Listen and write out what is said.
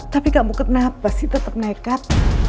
tapi kamu kenapa sih tetap nekat